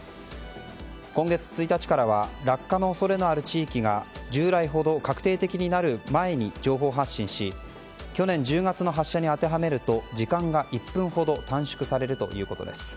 今月１日からは落下の恐れのある地域が従来ほど確定的になる前に情報発信し去年１０月の発射に当てはめると時間が１分ほど短縮されるということです。